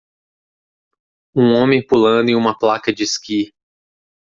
Um homem pulando em uma placa de esqui.